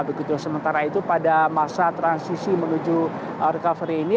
begitu sementara itu pada masa transisi menuju recovery ini